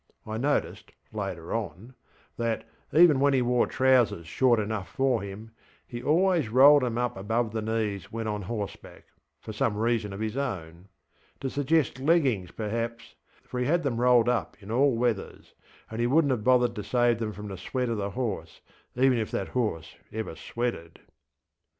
I noticed, later on, that, even when he wore trousers short enough for him, he always rolled ŌĆÖem up above the knees when on horseback, for some reason of his own: to suggest leggings, perhaps, for he had them rolled up in all weathers, and he wouldnŌĆÖt have bothered to save them from the sweat of the horse, even if that horse ever sweated.